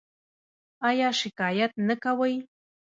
ایا شکایت نه کوئ؟